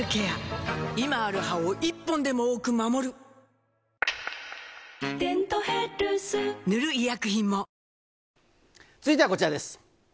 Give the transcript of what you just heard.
今ある歯を１本でも多く守る「デントヘルス」塗る医薬品も続いてはこちらです。